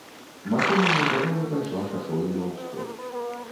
Машына неўзабаве пайшла шашою на ўсход.